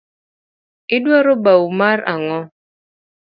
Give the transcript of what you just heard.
Idwaro bau mar ang’o?